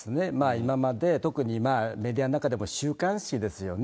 今まで、特にまあ、メディアの中でも週刊誌ですよね。